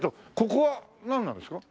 ここはなんなんですか？